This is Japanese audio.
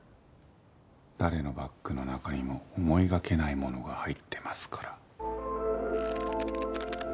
誰のバッグの中にも思いがけないものが入ってますから。